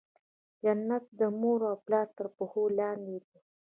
جنت د مور او پلار تر پښو لاندي دی.